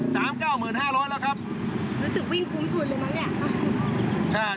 สามเก้าหมื่นห้าร้อยแล้วครับรู้สึกวิ่งคุ้มทุนเลยมั้งเนี้ยใช่